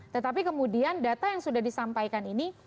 tetapi kemudian data yang sudah disampaikan ini